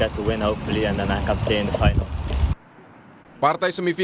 saya akan mendukung tim dari stand dan kita akan menang semoga